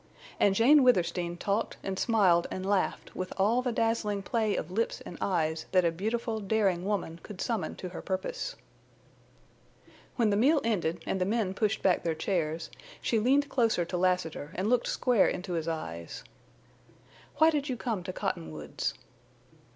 And Jane Withersteen talked and smiled and laughed with all the dazzling play of lips and eyes that a beautiful, daring woman could summon to her purpose. When the meal ended, and the men pushed back their chairs, she leaned closer to Lassiter and looked square into his eyes. "Why did you come to Cottonwoods?"